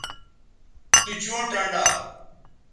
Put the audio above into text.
تو چوں ٹنڈا